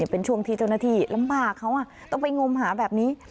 เป็นช่วงที่เจ้าหน้าที่ลำบากเขาต้องไปงมหาแบบนี้